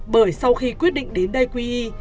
bởi sau khi quyết định đến đây quý y